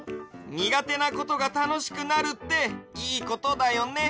にがてなことがたのしくなるっていいことだよね。